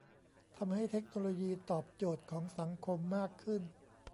ทำให้เทคโนโลยีตอบโจทย์ของสังคมมากขึ้น